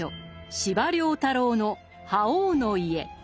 司馬太郎の「覇王の家」。